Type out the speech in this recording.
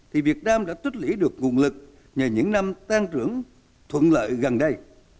thì việt nam đã tuyết lĩ được nguồn lực nhờ những năm tăng trưởng thuận lợi gần đây